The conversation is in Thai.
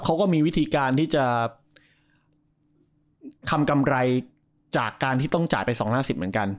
เขาก็มีวิธีการที่จะทำกำไรจากการที่ต้องจ่ายไป๒๕๐เหมือนกัน